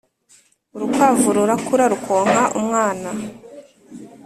urukwavu rurakura rukonka umwana